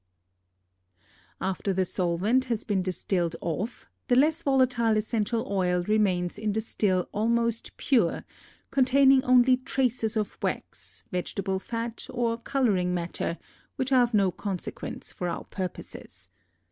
After the solvent has been distilled off, the less volatile essential oil remains in the still almost pure, containing only traces of wax, vegetable fat or coloring matter which are of no consequence for our purposes.